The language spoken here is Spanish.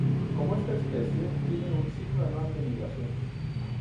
Como esta especie, tiene un ciclo anual de migración.